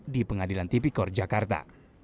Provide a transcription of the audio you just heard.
di pengadilan tipikor jakarta